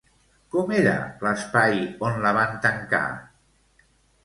Com era l'espai on la van tancar?